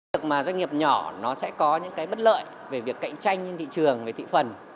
việc mà doanh nghiệp nhỏ nó sẽ có những cái bất lợi về việc cạnh tranh trên thị trường về thị phần